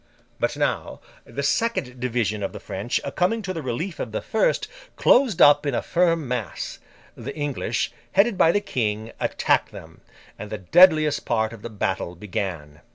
But now, the second division of the French coming to the relief of the first, closed up in a firm mass; the English, headed by the King, attacked them; and the deadliest part of the battle began.